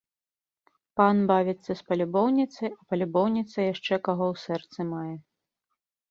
Пан бавіцца з палюбоўніцай, а палюбоўніца яшчэ каго ў сэрцы мае.